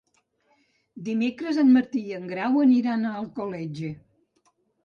Dimecres en Martí i en Grau aniran a Alcoletge.